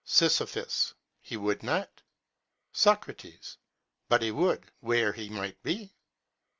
Sis. He would not. Soc. But he would, where he might be.